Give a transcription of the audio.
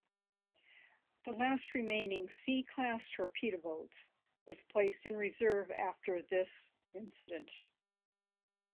The last remaining "C"-class torpedo boats was placed in reserve after this incident.